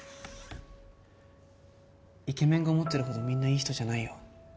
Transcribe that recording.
イケメンが思ってるほどみんないい人じゃないよ。